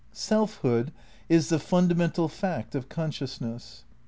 Selfhood is the fundamental fact of consciousness.